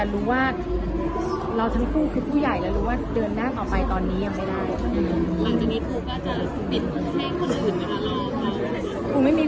รู้ว่าเราทั้งคู่คือผู้ใหญ่และรู้ว่าเดินหน้าต่อไปตอนนี้ยังไม่ได้